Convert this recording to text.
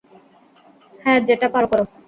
হ্যাঁ, যেটা পারো কর।